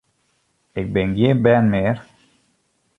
Ik bin gjin bern mear!